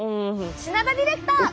品田ディレクター！